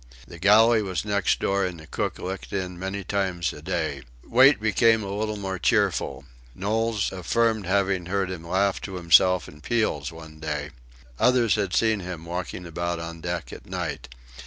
The galley was next door, and the cook looked in many times a day. Wait became a little more cheerful. Knowles affirmed having heard him laugh to himself in peals one day. Others had seen him walking about on deck at night.